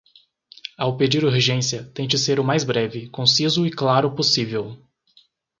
Ao pedir urgência, tente ser o mais breve, conciso e claro possível.